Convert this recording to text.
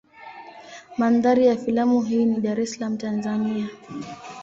Mandhari ya filamu hii ni Dar es Salaam Tanzania.